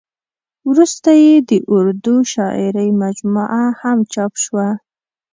ورسته یې د اردو شاعرۍ مجموعه هم چاپ شوه.